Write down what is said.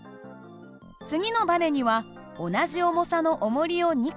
次のばねには同じ重さのおもりを２個。